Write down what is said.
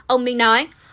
ông bình nói